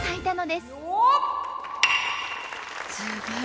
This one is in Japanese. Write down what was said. すごい！